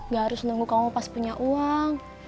gak harus nunggu kamu pas punya uang